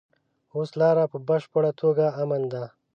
اوس لاره په بشپړه توګه امن ده.